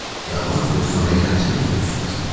Der Ort wird von der Gartempe durchflossen.